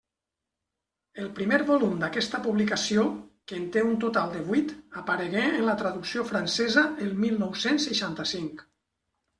El primer volum d'aquesta publicació, que en té un total de vuit, aparegué en la traducció francesa el mil nou-cents seixanta-cinc.